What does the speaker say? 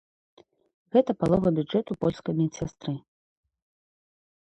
Гэта палова бюджэту польскай медсястры.